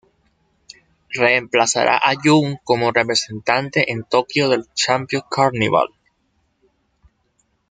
Reemplazará a Jun como representante en Tokyo del Champion Carnival.